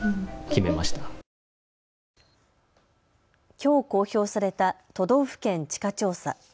きょう公表された都道府県地価調査。